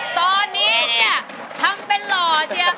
ตอนนี้เนี่ยทำเป็นหล่อเชียว